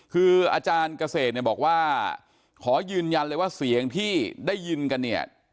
คืออาจารย์เกษตรเนี่ยบอกว่าขอยืนยันเลยว่าเสียงที่ได้ยินกันเนี่ย